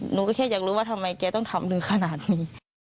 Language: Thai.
หนูก็แค่อยากรู้ว่าทำไมแกต้องทำถึงขนาดนี้